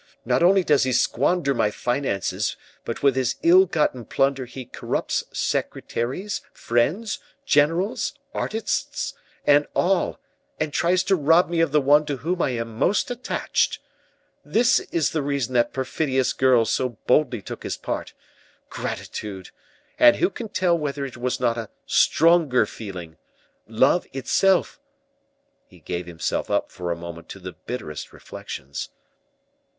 not only does he squander my finances, but with his ill gotten plunder he corrupts secretaries, friends, generals, artists, and all, and tries to rob me of the one to whom I am most attached. This is the reason that perfidious girl so boldly took his part! Gratitude! and who can tell whether it was not a stronger feeling love itself?" He gave himself up for a moment to the bitterest reflections.